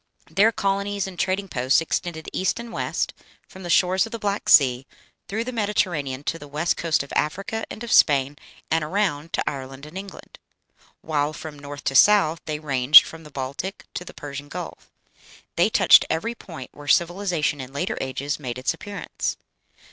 Their colonies and trading posts extended east and west from the shores of the Black Sea, through the Mediterranean to the west coast of Africa and of Spain, and around to Ireland and England; while from north to south they ranged from the Baltic to the Persian Gulf. They touched every point where civilization in later ages made its appearance.